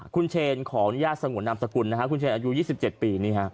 คุณเชนของญาติสงสนามสกุลนะฮะคุณเชนอายุ๒๗ปีนี้ฮะ